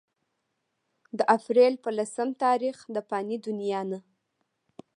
د اپريل پۀ لسم تاريخ د فاني دنيا نه